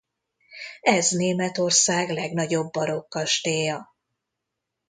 Ez Németország legnagyobb barokk kastélya.